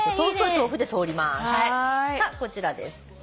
さあこちらです。